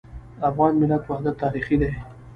د افغان ملت وحدت تاریخي دی.